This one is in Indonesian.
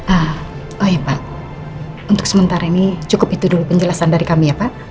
ah oh ya pak untuk sementara ini cukup itu dulu penjelasan dari kami ya pak